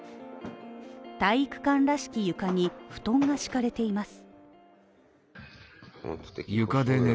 体育館らしき床に布団が敷かれています。